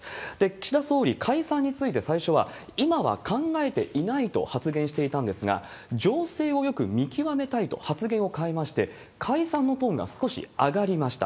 岸田総理、解散について、最初は、今は考えていないと発言していたんですが、情勢をよく見極めたいと発言を変えまして、解散のトーンが少し上がりました。